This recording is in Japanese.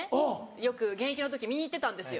よく現役の時見に行ってたんですよ。